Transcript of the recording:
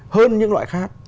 hơn những loại khác